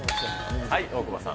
大久保さん。